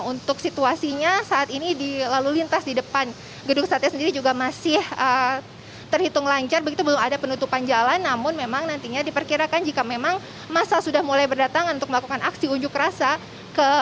untuk situasinya saat ini di lalu lintas di depan gedung sate sendiri juga masih terhitung lancar begitu belum ada penutupan jalan namun memang nantinya diperkirakan jika memang masa sudah mulai berdatangan untuk melakukan aksi unjuk rasa